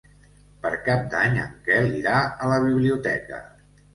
Per Cap d'Any en Quel irà a la biblioteca.